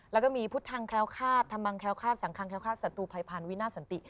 แล้วก็มีพุทธังแค้วคาดธรรมังแค้วคาดสังคังแค้วคาดศัตรูภัยพันธ์วินาสันติ